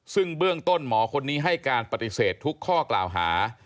ซึ่งเบื้องต้นหมอคนนี้ให้การปฏิเสธทุกข้อกล่าวหา